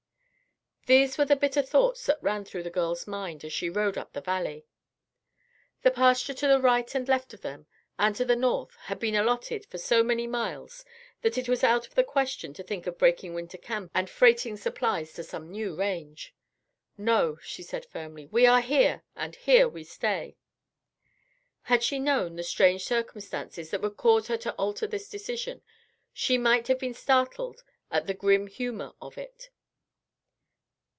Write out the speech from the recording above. These were the bitter thoughts that ran through the girl's mind as she rode up the valley. The pasture to the right and left of them, and to the north, had been alloted for so many miles that it was out of the question to think of breaking winter camp and freighting supplies to some new range. "No," she said firmly, "we are here, and here we stay!" Had she known the strange circumstances that would cause her to alter this decision, she might have been startled at the grim humor of it.